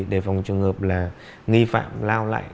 đề phòng trường hợp là nghi phạm lao lại